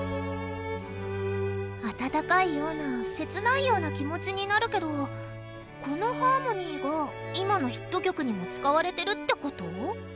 あたたかいような切ないような気持ちになるけどこのハーモニーが今のヒット曲にも使われてるってこと？